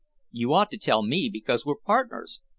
"You ought to tell me because we're partners."